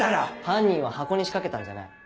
犯人は箱に仕掛けたんじゃない。